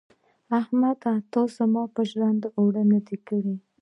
احمده تا زما پر ژرنده اوړه نه دې کړي.